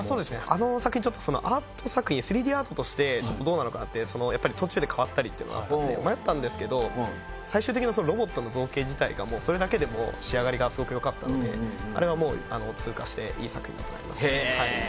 あの作品ちょっとそのアート作品３Ｄアートとしてちょっとどうなのかなってそのやっぱり途中で変わったりっていうのがあったんで迷ったんですけど最終的なそのロボットの造形自体がもうそれだけでもう仕上がりがすごくよかったのであれはもうあの通過していい作品だと思いましたへえ